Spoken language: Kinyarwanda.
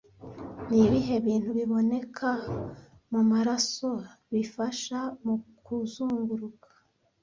Nibihe bintu biboneka mumaraso bifasha mukuzunguruka